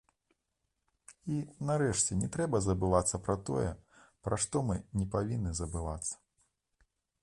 І, нарэшце, не трэба забывацца пра тое, пра што мы не павінны забывацца.